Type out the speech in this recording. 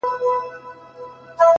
دې راوړي دې تر گور باڼه!